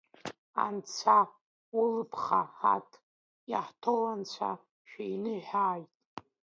Анцәа улԥха ҳаҭа, иаҳҭоу анцәа шәиныҳәааит.